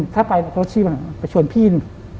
ถ้าไปก็ช่วยพี่น